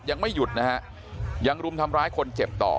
ยังไม่หยุดนะฮะยังรุมทำร้ายคนเจ็บต่อ